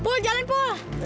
pul jalanin pul